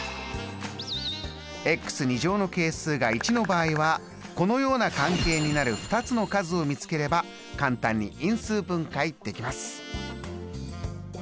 の係数が１の場合はこのような関係になる２つの数を見つければ簡単に因数分解できます。